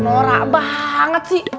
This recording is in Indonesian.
norak banget sih